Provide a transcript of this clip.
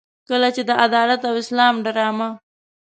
کله چې د عدالت او اسلام ډرامه.